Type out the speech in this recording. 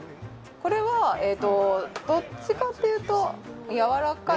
これはどっちかっていうとやわらかい。